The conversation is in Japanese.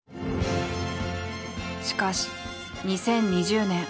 しかし２０２０年。